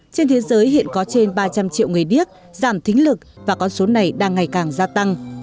trên thế giới hiện có trên ba trăm linh triệu người điếc giảm thính lực và con số này đang ngày càng gia tăng